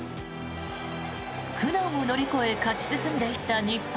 苦難を乗り越え勝ち進んでいった日本。